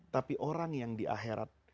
tapi orang yang di akhirat